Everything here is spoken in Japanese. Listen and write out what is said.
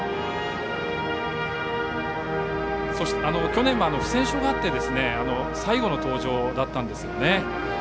去年は不戦勝があって最後の登場だったんですよね。